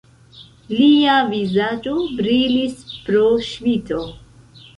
Lia vizaĝo brilis pro ŝvito.